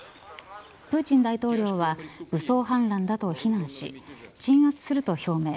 プーチン大統領は武装反乱だと非難し鎮圧すると表明。